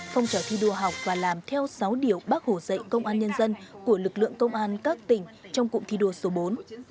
phong trào thi đua học và làm theo sáu điều bác hồ dạy công an nhân dân của lực lượng công an các tỉnh trong cụm thi đua số bốn